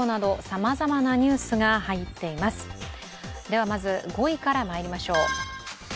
まず５位からまいりましょう。